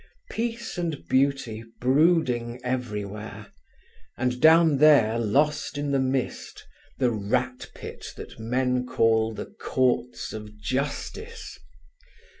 Peace and beauty brooding everywhere, and down there lost in the mist the "rat pit" that men call the Courts of Justice.